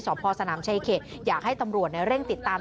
พ่อสนามชายเขตอยากให้ตำรวจเร่งติดตาม